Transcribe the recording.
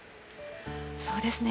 そうですね。